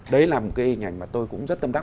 đấy là một cái hình ảnh mà tôi cũng rất tâm đắc